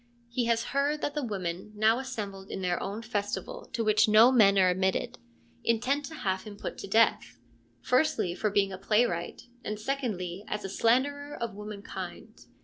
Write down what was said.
He has heard that the women, now assembled in their own festival to which no men are admitted, intend to have him put to death, firstly for being a playwright and secondly as a slanderer of womenkind.